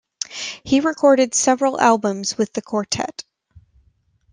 He recorded several albums with the quartet.